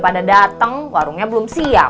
pada datang warungnya belum siap